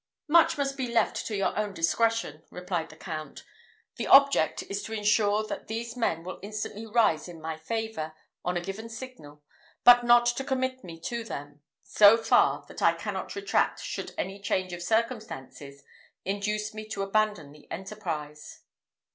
"Much must be left to your own discretion," replied the Count: "the object is to insure that these men will instantly rise in my favour, on a given signal; but not to commit me to them so far, that I cannot retract should any change of circumstances induce me to abandon the enterprise."